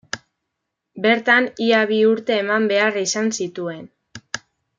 Bertan ia bi urte eman behar izan zituen.